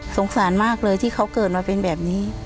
สงสารมากเลยที่เขาเกิดมาเป็นแบบนี้